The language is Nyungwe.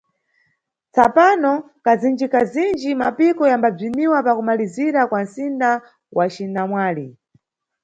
Tsapano, kazinjikazinji mapiko yambabziniwa pakumalizira kwa nʼsinda wa cinamwali.